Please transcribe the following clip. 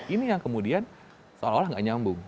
ini yang kemudian seolah olah nggak nyambung